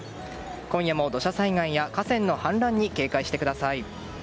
今夜も土砂災害や河川の氾濫に警戒してください。